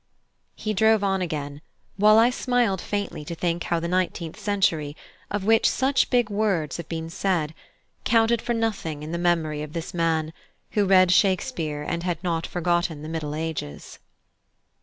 He drove on again, while I smiled faintly to think how the nineteenth century, of which such big words have been said, counted for nothing in the memory of this man, who read Shakespeare and had not forgotten the Middle Ages.